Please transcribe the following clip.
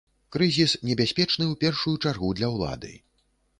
Крызіс небяспечны ў першую чаргу для ўлады.